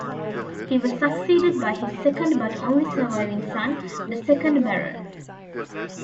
He was succeeded by his second but only surviving son, the second Baron.